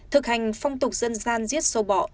thực hành phong tục dân gian giết sâu bọ